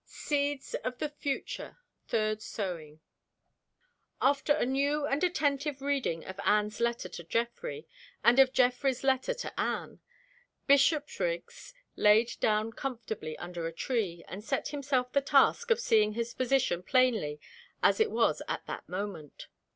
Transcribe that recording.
SEEDS OF THE FUTURE (THIRD SOWING). AFTER a new and attentive reading of Anne's letter to Geoffrey, and of Geoffrey's letter to Anne, Bishopriggs laid down comfortably under a tree, and set himself the task of seeing his position plainly as it was at that moment.